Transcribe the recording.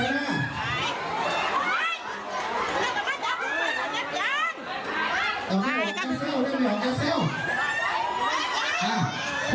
ไม่ไปลูกตุ๊ก